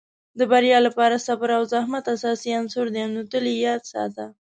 د بریا لپاره صبر او زحمت اساسي عناصر دي، نو تل یې یاد ساته.